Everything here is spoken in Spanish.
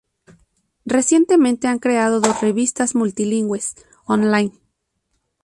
Recientemente, ha creado dos revistas multilingües online.